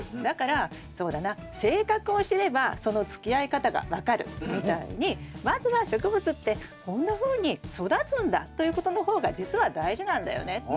だからそうだな性格を知ればそのつきあい方が分かるみたいにまずは植物ってこんなふうに育つんだということの方が実は大事なんだよね。